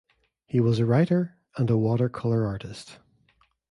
He was a writer and a water colour artist.